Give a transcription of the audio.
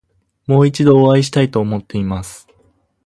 もう一度お会いしたいと思っています。